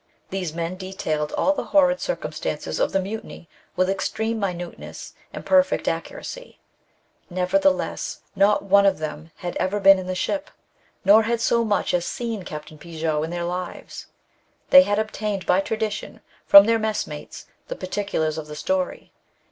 These men detailed all the horrid circumstances of the mutiny with extreme minuteness and perfect accuracy; nevertheless, not one of them had ever been in the ship, nor had so much as seen Capt. Pigot in their lives. They had obtained by tradition, from their messmates, the particulars of the story.